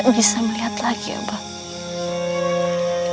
kakak surakerta tidak bisa melihat lagi abang